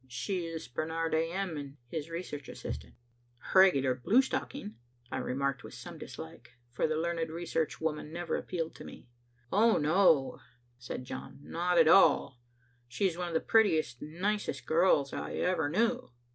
She is Barnard A. M., and his research assistant." "Regular bluestocking," I remarked with some dislike, for the learned research woman never appealed to me. "Oh, no," said John. "Not at all. She is one of the prettiest, nicest girls I ever knew."